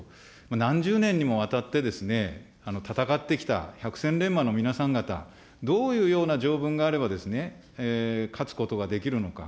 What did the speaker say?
何十年にもわたって闘ってきた百戦錬磨の方々、どういうような条文があれば、勝つことができるのか。